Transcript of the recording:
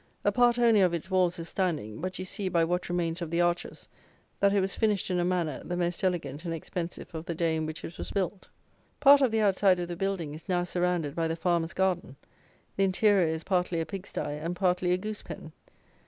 A part only of its walls is standing; but you see, by what remains of the arches, that it was finished in a manner the most elegant and expensive of the day in which it was built. Part of the outside of the building is now surrounded by the farmer's garden: the interior is partly a pig stye and partly a goose pen.